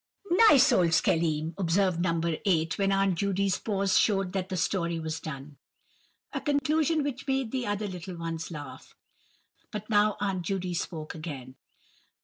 "Nice old Schelim!" observed No. 8, when Aunt Judy's pause showed that the story was done. A conclusion which made the other little ones laugh; but now Aunt Judy spoke again.